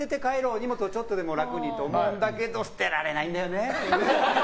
荷物をちょっとでも楽にと思うんだけど捨てられないんだよね。